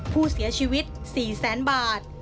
ผู้เสียชีวิต๔๐๐๐๐๐บาท